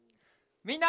みんな。